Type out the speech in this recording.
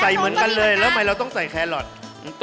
เหมือนกันเลยแล้วทำไมเราต้องใส่แครอท